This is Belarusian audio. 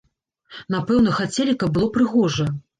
Напэўна, хацелі, каб было прыгожа.